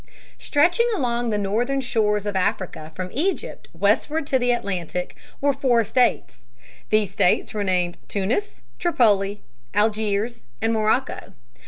Stretching along the northern shores of Africa from Egypt westward to the Atlantic were four states. These states were named Tunis, Tripoli, Algiers, and Morocco.